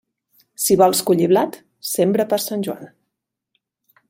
Si vols collir blat, sembra per Sant Joan.